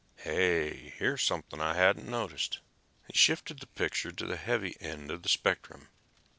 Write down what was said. "Hey, here's something I hadn't noticed." He shifted the picture to the heavy end of the spectrum.